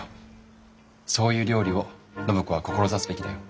そういう料理を暢子は志すべきだよ。